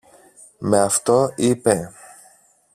Με αυτό, είπε.